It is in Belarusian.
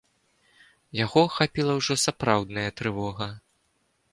Яго ахапіла ўжо сапраўдная трывога.